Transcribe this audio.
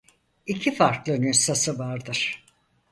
İki farklı nüshası vardır.